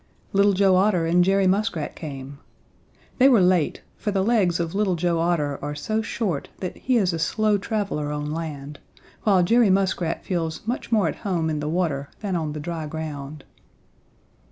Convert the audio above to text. Little Joe Otter and Jerry Muskrat came. They were late, for the legs of Little Joe Otter are so short that he is a slow traveler on land, while Jerry Muskrat feels much more at home in the water than on the dry ground.